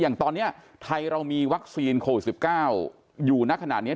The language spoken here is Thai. อย่างตอนนี้ไทยเรามีวัคซีนโควิด๑๙อยู่ณขณะนี้